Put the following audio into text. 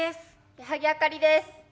矢作あかりです。